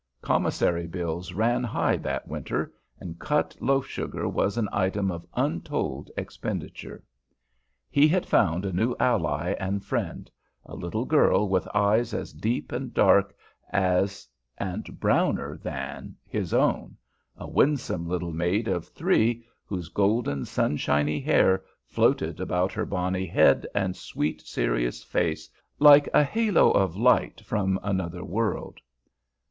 Commissary bills ran high that winter, and cut loaf sugar was an item of untold expenditure. He had found a new ally and friend, a little girl with eyes as deep and dark as and browner than his own, a winsome little maid of three, whose golden, sunshiny hair floated about her bonny head and sweet serious face like a halo of light from another world.